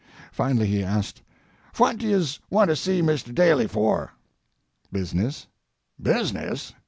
Finally, he asked, "Phwat do yez want to see Mr. Daly for?" "Business." "Business?"